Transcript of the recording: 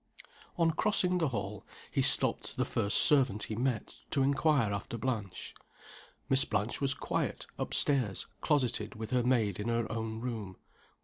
On crossing the hall, he stopped the first servant he met, to inquire after Blanche. Miss Blanche was quiet, up stairs, closeted with her maid in her own room.